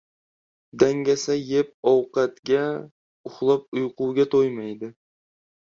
• Dangasa yeb ovqatga, uxlab uyquga to‘ymaydi.